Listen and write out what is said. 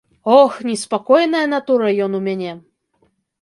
Ох, неспакойная натура ён у мяне!